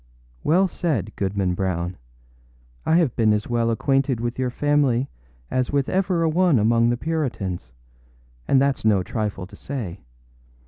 âWell said, Goodman Brown! I have been as well acquainted with your family as with ever a one among the Puritans; and thatâs no trifle to say.